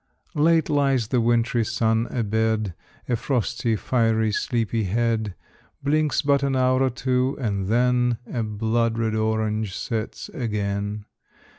Late lies the wintry sun a bed, A frosty, fiery, sleepy head; Blinks but an hour or two; and then, A blood red orange sets again.